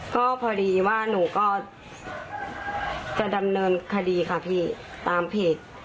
ก็พอดีว่าหนูก็จะดำเนินคดีค่ะพี่ตามเพจ